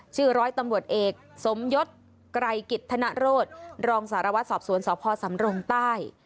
ชื่อร้อยตำรวจเอกสมยศไกรกิจธนโรธรองสารวัตรสอบสวนสพสำรงใต้